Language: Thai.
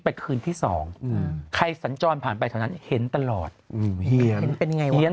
ไปคืนที่๒ใครสัญจรผ่านไปเท่านั้นเห็นตลอดเหี้ยนเป็นไง